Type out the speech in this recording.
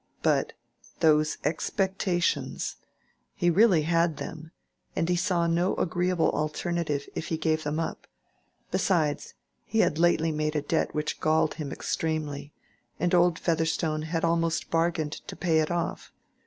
But—those expectations! He really had them, and he saw no agreeable alternative if he gave them up; besides, he had lately made a debt which galled him extremely, and old Featherstone had almost bargained to pay it off.